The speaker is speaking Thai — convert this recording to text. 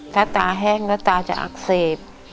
ถ้าตาแห้งแล้วตาจะอักเสบ